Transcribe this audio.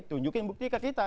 tunjukin bukti ke kita